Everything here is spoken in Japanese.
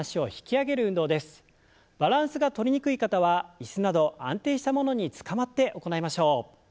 バランスがとりにくい方は椅子など安定したものにつかまって行いましょう。